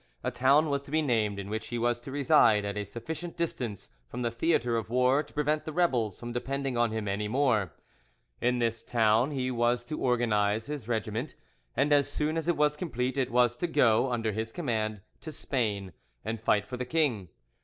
A town was to be named in which he was to reside at a sufficient distance from the theatre of war to prevent the rebels from depending on him any more; in this town he was to organise his regiment, and as soon as it was complete it was to go, under his command, to Spain, and fight for the king.